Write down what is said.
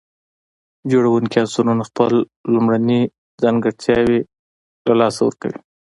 جوړونکي عنصرونه خپل لومړني ځانګړتياوي له لاسه ورکوي.